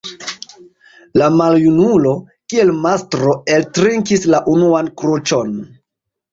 La maljunulo, kiel mastro, eltrinkis la unuan kruĉon.